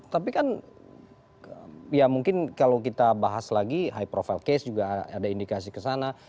tapi kan ya mungkin kalau kita bahas lagi high profile case juga ada indikasi ke sana